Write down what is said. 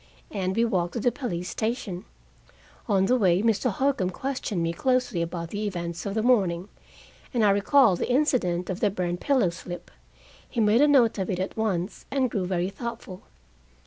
And we walked to the police station. On the way Mr. Holcombe questioned me closely about the events of the morning, and I recalled the incident of the burned pillow slip. He made a note of it at once, and grew very thoughtful.